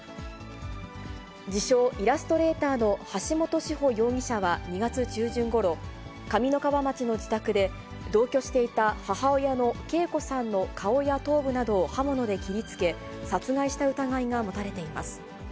自称、イラストレーターの橋本志穂容疑者は２月中旬ごろ、上三川町の自宅で、同居していた母親の啓子さんの顔や頭部などを刃物で切りつけ、殺害した疑いが持たれています。